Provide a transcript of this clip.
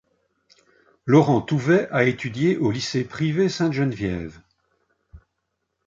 Laurent Touvet a étudié au lycée privé Sainte-Geneviève.